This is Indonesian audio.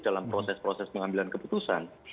dalam proses proses pengambilan keputusan